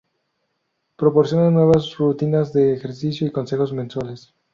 Proporcionan nuevas rutinas de ejercicio y consejos mensuales.